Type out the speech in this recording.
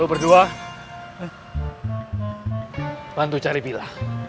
lo berdua bantu cari pila